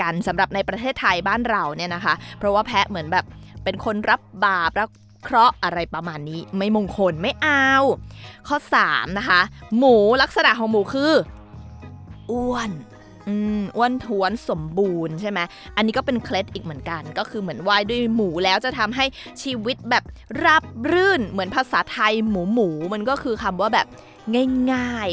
อันนี้นะคะเพราะว่าแพ้เหมือนแบบเป็นคนรับบาปรับเคราะห์อะไรประมาณนี้ไม่มงคลไม่เอาข้อสามนะคะหมูลักษณะของหมูคืออ้วนอ้วนท้วนสมบูรณ์ใช่ไหมอันนี้ก็เป็นเคล็ดอีกเหมือนกันก็คือเหมือนไหว้ด้วยหมูแล้วจะทำให้ชีวิตแบบราบรื่นเหมือนภาษาไทยหมูหมูมันก็คือคำว่าแบบง่าย